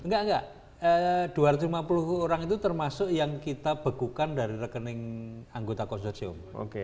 enggak enggak dua ratus lima puluh orang itu termasuk yang kita bekukan dari rekening anggota konsorsium